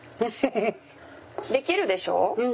できるでしょう？